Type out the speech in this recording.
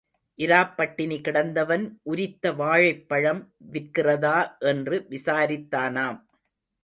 இராப் பட்டினி கிடந்தவன் உரித்த வாழைப்பழம் விற்கிறதா என்று விசாரித்தானாம்.